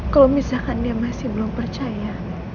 kalau misalkan dia masih belum percaya